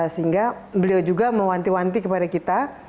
sehingga beliau juga mewanti wanti kepada kita